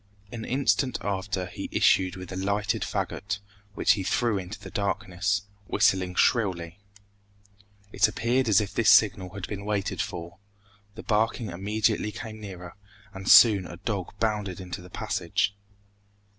An instant after he issued with a lighted fagot, which he threw into the darkness, whistling shrilly. It appeared as if this signal had been waited for; the barking immediately came nearer, and soon a dog bounded into the passage.